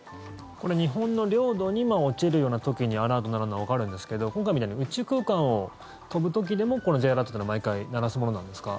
これ、日本の領土に落ちるような時にアラートが鳴るのはわかるんですけど今回みたいに宇宙区間を飛ぶ時でもＪアラートというのは毎回鳴らすものなんですか？